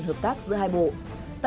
hợp tác của bộ công an việt nam